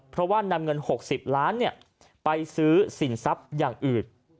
เพราะว่านำเงิน๖๐ล้านไปซื้อสินทรัพย์อย่างอื่น